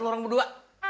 lo orang berdua